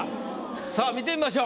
さあ見てみましょう。